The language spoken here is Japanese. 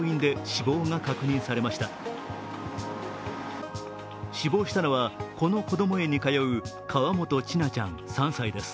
死亡したのは、このこども園に通う河本千奈ちゃん３歳です。